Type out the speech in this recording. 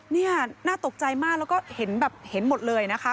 นี่น่าตกใจมากแล้วก็เห็นแบบเห็นหมดเลยนะคะ